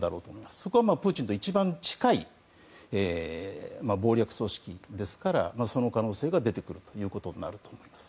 そこはプーチンと一番近い謀略組織ですからその組織の可能性が出てくることになると思います。